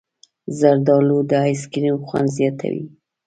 زردالو د ایسکریم خوند زیاتوي.